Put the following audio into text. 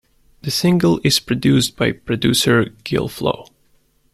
The single is produced by producer Gilflo.